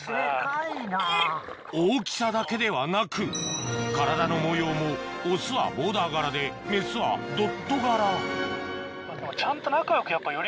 大きさだけではなく体の模様もオスはボーダー柄でメスはドット柄ちゃんと。